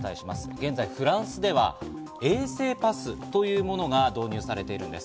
現在フランスでは衛生パスというものが導入されているんです。